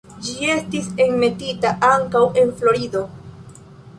Ĝi estis enmetita ankaŭ en Florido.